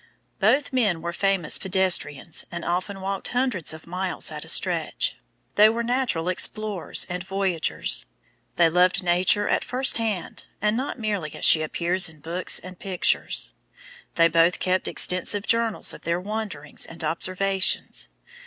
Both men were famous pedestrians and often walked hundreds of miles at a stretch. They were natural explorers and voyagers. They loved Nature at first hand, and not merely as she appears in books and pictures. They both kept extensive journals of their wanderings and observations.